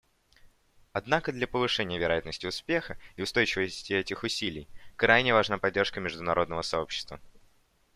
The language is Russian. Однако для повышения вероятности успеха и устойчивости этих усилий крайне важна поддержка международного сообщества.